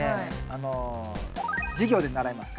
あの授業で習います。